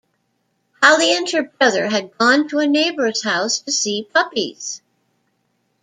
Holly and her brother had gone to a neighbor's house to see puppies.